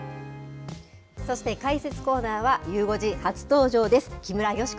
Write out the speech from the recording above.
そして解説コーナーはゆう５時初登場です。